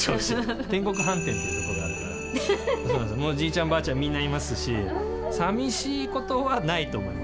天国飯店っていうところあるからじいちゃんばあちゃんみんないますしさみしいことはないと思います。